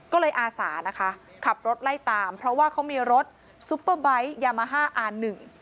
ก็เลยอาสานะคะขับรถไล่ตามเพราะว่าเขามีรถซุปเปอร์ไบท์ยามาฮ่าอันหนึ่ง